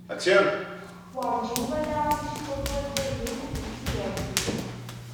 Werǧin walaɣ annect-a n waddagen deg tudert-iw.